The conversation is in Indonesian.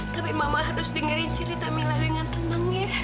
tapi mama harus dengarin cerita mila dengan tenang ya